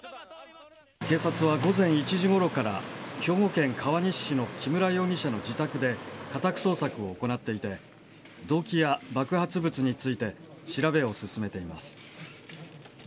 警察は午前１時ごろから兵庫県川西市の木村容疑者の自宅で家宅捜索を行っていて動機や爆発物について調べを進めています。